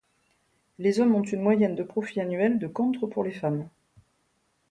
Les hommes ont une moyenne de profit annuel de contre pour les femmes.